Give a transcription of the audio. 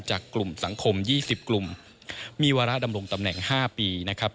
จากกลุ่มสังคม๒๐กลุ่มมีวาระดำรงตำแหน่ง๕ปีนะครับ